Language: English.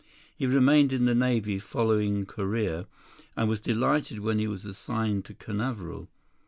He remained in the Navy following Korea, and was delighted when he was assigned to Canaveral.